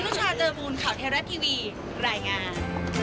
นุชาเจอมูลข่าวเทราะทีวีรายงาน